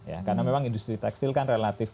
ya karena memang industri tekstil kan relatif